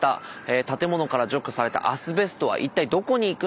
建物から除去されたアスベストは一体どこに行くのか？